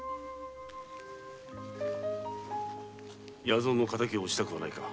弥蔵の敵を討ちたくはないか？